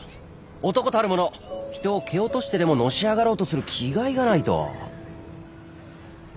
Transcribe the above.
男たる者人を蹴落としてでものし上がろうとする気概がないと。